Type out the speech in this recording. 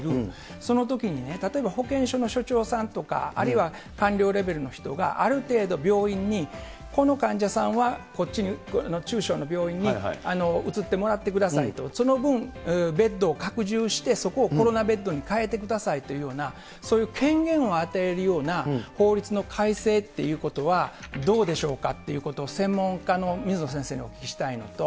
そのときに、例えば保健所の所長さんとか、あるいは官僚レベルの人が、ある程度、病院に、この患者さんは、こっちに中小の病院に移ってもらってくださいと、その分、ベッドを拡充して、そこをコロナベッドにかえてくださいというような、そういう権限を与えるような法律の改正っていうことはどうでしょうかということ、専門家の水野先生にお聞きしたいのと。